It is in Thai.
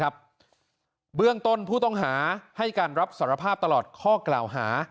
เบื้องต้นผู้ต้องหาให้การรับสารภาพตลอดข้อกล่าวหา